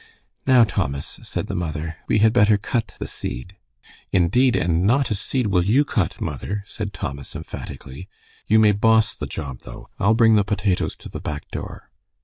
"Now, Thomas," said the mother, "we had better cut the seed." "Indeed, and not a seed will you cut, mother," said Thomas, emphatically. "You may boss the job, though. I'll bring the potatoes to the back door."